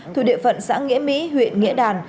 thuộc địa phận xã nghĩa mỹ huyện nghĩa đàn